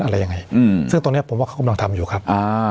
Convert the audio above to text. อะไรยังไงซึ่งตอนนี้ผมว่าเขากำลังทำอยู่ครับ